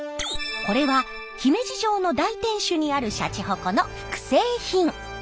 これは姫路城の大天守にあるシャチホコの複製品。